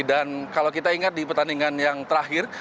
dan kalau kita ingat di pertandingan yang terakhir